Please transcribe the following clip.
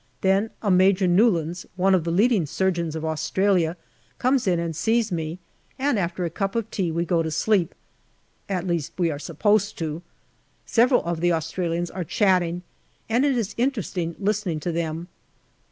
Then a Major Newlands, one of the leading surgeons of Australia, comes in and sees me, and after a cup of tea we go to sleep at least, we are supposed to. Several of the Australians are chatting, and it is interesting listening to them.